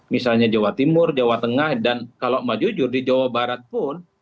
misalnya jawa timur jawa tengah dan kalau mau jujur di jawa barat pun